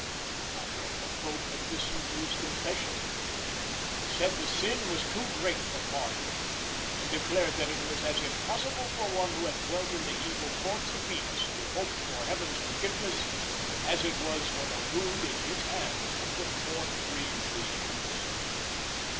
But when the Pope had listened to his confession he said the sin was too great for pardon, and declared that it was as impossible for one who had dwelt in the evil Courts of Venus to hope for Heaven's forgiveness as it was for the rood in his hand to put forth green leaves.